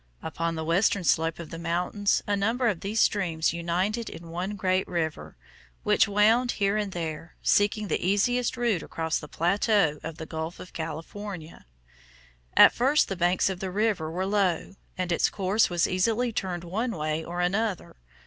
Upon the western slope of the mountains a number of these streams united in one great river, which wound here and there, seeking the easiest route across the plateau to the Gulf of California. At first the banks of the river were low, and its course was easily turned one way or another.